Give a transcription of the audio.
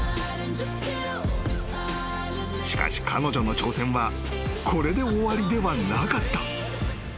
［しかし彼女の挑戦はこれで終わりではなかった］